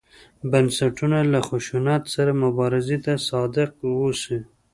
بنسټونه له خشونت سره مبارزې ته صادق واوسي.